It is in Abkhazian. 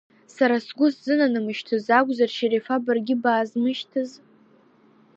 Сара сгәы сзынанамышьҭыз акәзар, Шьарифа, баргьы баазмышьҭыз?